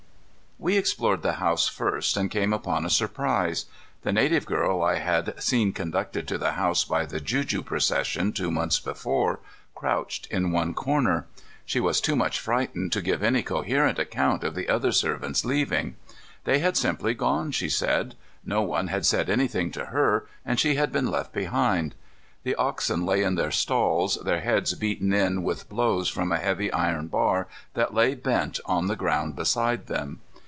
We explored the house first and came upon a surprise. The native girl I had seen conducted to the house by the juju procession two months before crouched in one corner. She was too much frightened to give any coherent account of the other servants' leaving. They had simply gone, she said. No one had said anything to her, and she had been left behind. The oxen lay in their stalls, their heads beaten in with blows from a heavy iron bar that lay bent on the ground beside them.